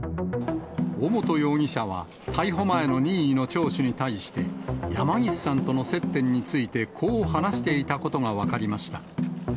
尾本容疑者は逮捕前の任意の聴取に対して、山岸さんとの接点について、こう話していたことが分かりました。